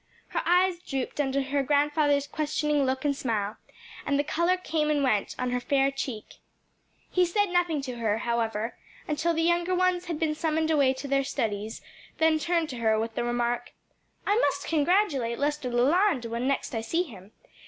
Her eyes drooped under her grandfather's questioning look and smile and the color came and went on her fair cheek. He said nothing to her, however, until the younger ones had been summoned away to their studies, then turned to her with the remark, "I must congratulate Lester Leland when next I see him.